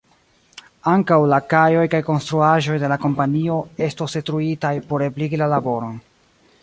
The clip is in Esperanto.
Ankaŭ la kajoj kaj konstruaĵoj de la kompanio estos detruitaj por ebligi la laboron.